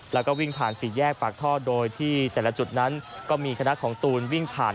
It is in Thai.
แล้วก็วิ่งผ่านสี่แยกปากท่อโดยที่แต่ละจุดนั้นก็มีคณะของตูนวิ่งผ่าน